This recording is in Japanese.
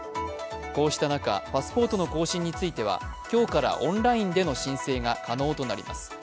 こうした中、パスポートの更新については今日からオンラインでの申請が可能となります。